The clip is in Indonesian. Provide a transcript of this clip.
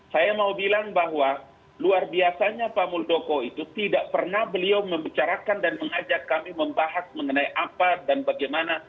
saya mau bilang bahwa luar biasanya pak muldoko itu tidak pernah beliau membicarakan dan mengajak kami membahas mengenai apa dan bagaimana